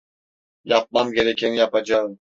Yapmam gerekeni yapacağım.